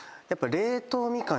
冷凍みかん？